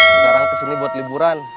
sekarang kesini buat liburan